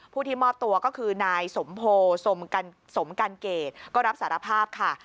ที่มอบตัวก็คือนายสมโพสมกันเกตก็รับสารภาพค่ะ